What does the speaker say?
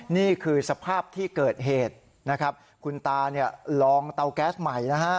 นี่คือสภาพที่เกิดเหตุนะครับคุณตาเนี่ยลองเตาแก๊สใหม่นะฮะ